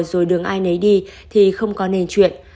rồi đường ai nấy đi thì không có nên chuyện